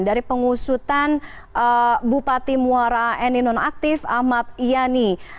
dari pengusutan bupati muara eni nonaktif ahmad yani